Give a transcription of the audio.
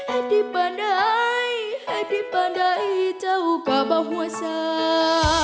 แอดดีป่านได้แอดดีป่านได้เจ้าป่าบ้าหัวสา